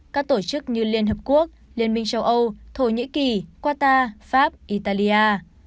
các tổ chức như liên hợp quốc liên minh châu âu thổ nhĩ kỳ qatar pháp italia